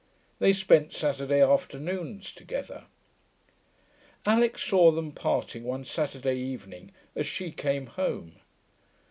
They spent Saturday afternoons together. Alix saw them parting one Saturday evening, as she came home.